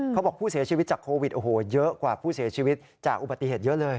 เขาบอกผู้เสียชีวิตจากโควิดโอ้โหเยอะกว่าผู้เสียชีวิตจากอุบัติเหตุเยอะเลย